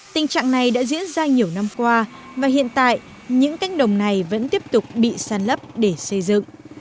tình trạng này đã diễn ra nhiều năm qua và hiện tại những cánh đồng này vẫn tiếp tục bị sàn lấp để xây dựng